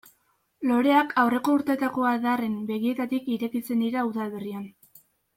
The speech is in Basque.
Loreak aurreko urtetako adarren begietatik irekitzen dira udaberrian.